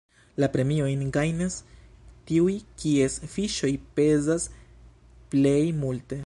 La premiojn gajnas tiuj, kies fiŝoj pezas plej multe.